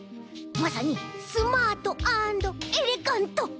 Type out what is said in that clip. まさにスマートアンドエレガント！